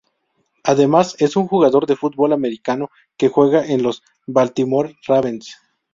Además, es un jugador de fútbol americano que juega en los Baltimore Ravens.